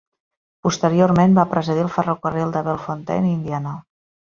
Posteriorment va presidir el ferrocarril de Bellefontaine i Indiana.